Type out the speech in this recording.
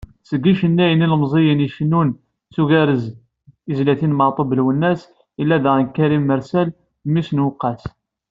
Seg yicennayen ilemẓiyen i icennun s ugerrez tizlatin n Meɛtub Lwennas, yella daɣen Karim Mersel, mmi-s n Uweqqas.